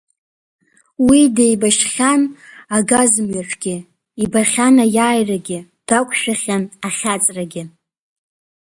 Уи деибашьхьан агазмҩаҿгьы, ибахьан аиааирагьы, дақәшәахьан ахьаҵрагьы.